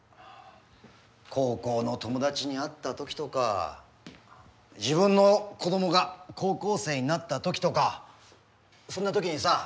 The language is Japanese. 高校の友達に会った時とか自分の子供が高校生になった時とかそんな時にさ